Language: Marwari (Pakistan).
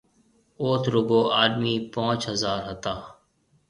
اوٿ رُگو آڏمِي پونچ ھزار ھتا۔